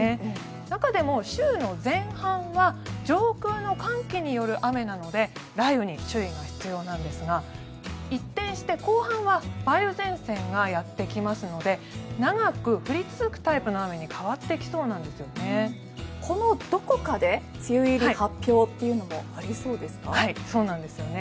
中でも週の前半は上空の寒気による雨なので雷雨に注意が必要なんですが一転して後半は梅雨前線がやってきますので長く降り続くタイプの雨に変わってきそうなんですよね。